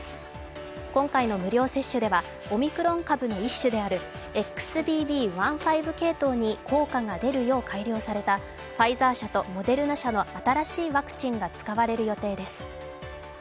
今回の無料接種ではオミクロン株の一種であるＸＢＢ．１．５系統に効果が出るよう改良されたファイザー社とモデルナ社の新しいワクチンが使われる予定です。